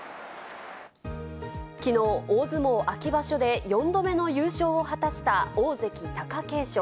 きのう、大相撲秋場所で４度目の優勝を果たした大関・貴景勝。